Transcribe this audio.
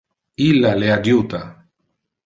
Illa le adjuta.